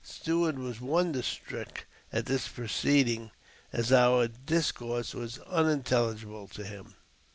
Stuart was wonder stricken at this proceeding, as our dis course was unintelligible to him.